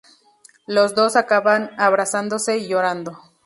Los dos acaban abrazándose y llorando.